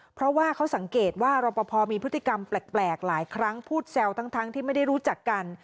เพราะว่าเขาสังเกตว่ารอปภมีพฤติกรรมแปลกหลายครั้งพูดแซวทั้งที่ไม่ได้รู้จักกัน